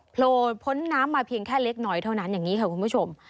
โผล่พ้นน้ำมาเพียงแค่เล็กน้อยเท่านั้นอย่างนี้ค่ะคุณผู้ชม